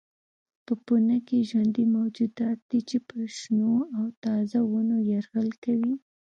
پوپنکي ژوندي موجودات دي چې پر شنو او تازه ونو یرغل کوي.